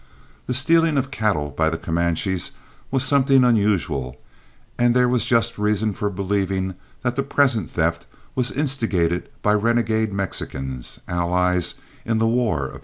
The stealing of cattle by the Comanches was something unusual, and there was just reason for believing that the present theft was instigated by renegade Mexicans, allies in the war of '36.